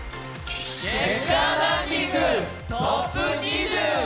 月間ランキングトップ２０！